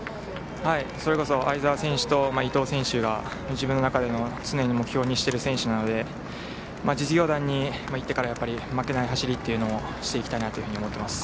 それこそ相澤選手と伊藤選手が自分の中での常に目標にしている選手なので実業団に行ってから負けない走りをしていきたいと思っています。